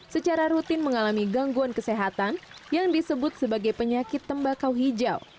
secara rutin mengalami gangguan kesehatan yang disebut sebagai penyakit tembakau hijau